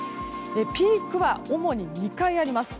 ピークは主に２回あります。